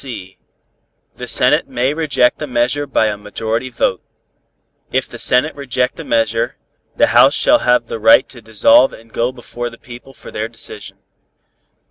(c) The Senate may reject a measure by a majority vote. If the Senate reject a measure, the House shall have the right to dissolve and go before the people for their decision.